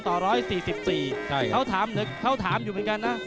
๑๔๒ต่อ๑๔๔เขาถามด้วยเขาถามอยู่เหมือนกันนะ